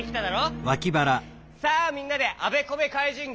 さあみんなであべこべかいじん